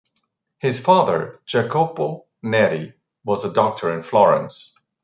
His father, Jacopo Neri, was a doctor in Florence.